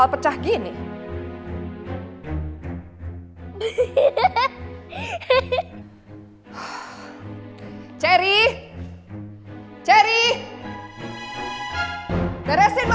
siapa yang telepon mas